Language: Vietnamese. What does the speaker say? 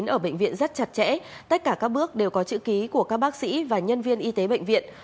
ở bệnh viện rất chặt chẽ tất cả các bước đều có chữ ký của các bác sĩ và nhân viên y tế bệnh viện